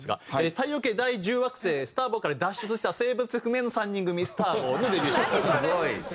太陽系第１０惑星スターボーから脱出した性別不明の３人組スターボーのデビューシングルです。